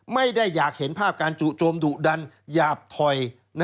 ไม่ได้อยากเห็นภาพการจุโจมดุดันหยาบถอย